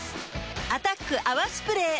「アタック泡スプレー」